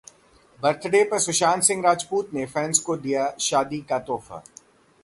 birthday पर सुशांत सिंह राजपूत ने fans को दिया शादी का तोहफा